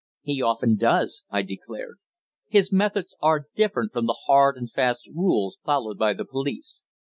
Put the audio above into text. "He often does," I declared. "His methods are different from the hard and fast rules followed by the police.